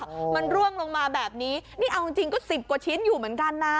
อืมมันร่วงลงมาแบบนี้นี่เอาจริงจริงก็สิบกว่าชิ้นอยู่เหมือนกันนะ